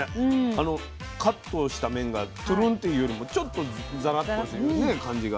あのカットした面がツルンっていうよりもちょっとザラッとしててね感じが。